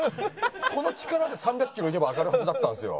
この力で３００キロいけば上がるはずだったんですよ。